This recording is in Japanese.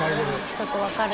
ちょっとわかる。